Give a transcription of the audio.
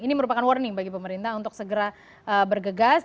ini merupakan warning bagi pemerintah untuk segera bergegas